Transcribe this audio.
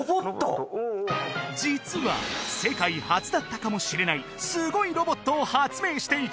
実は世界初だったかもしれないすごいロボットを発明していた！